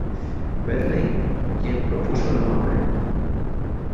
Bentley quien propuso el nombre.